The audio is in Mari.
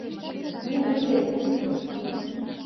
Не выйдет!..